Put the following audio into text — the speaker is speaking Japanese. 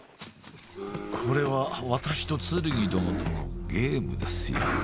これは私とツルギ殿とのゲームですよ。